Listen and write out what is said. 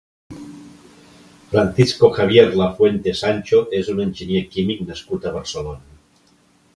Francisco Javier Lafuente Sancho és un enginyer químic nascut a Barcelona.